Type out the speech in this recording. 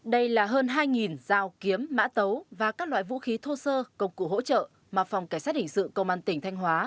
đây là hơn hai dao kiếm mã tấu và các loại vũ khí thô sơ công cụ hỗ trợ mà phòng cảnh sát hình sự công an tỉnh thanh hóa